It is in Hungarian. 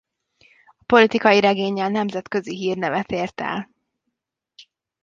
A politikai regénnyel nemzetközi hírnevet ért el.